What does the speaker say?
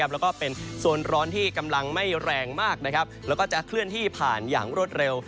แล้วก็เป็นโซนร้อนที่กำลังไม่แรงมากแล้วก็จะเคลื่อนที่ผ่านอย่างรวดเร็ว